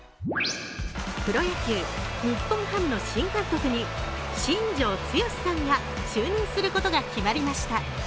プロ野球・日本ハムの新監督に新庄剛志さんが就任することが決まりました。